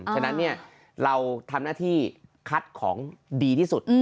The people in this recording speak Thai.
แล้วเนี่ยเราทำหน้าที่คัดของดีที่สุด